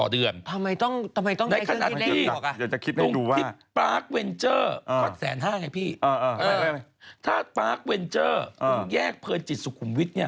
ต่อเดือนในขณะที่ตรงที่ปาร์คเวนเจอร์ค่อนแสนห้าไงพี่ถ้าปาร์คเวนเจอร์แยกเพลินจิตสุขุมวิทเนี่ย